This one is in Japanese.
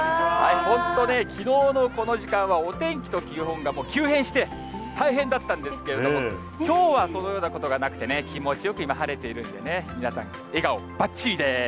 本当ね、きのうのこの時間はお天気と気温が急変して、大変だったんですけれども、きょうはそのようなことがなくてね、気持ちよく今晴れているんでね、皆さん、笑顔ばっちりでーす。